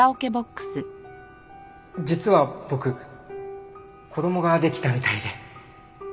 実は僕子供ができたみたいで。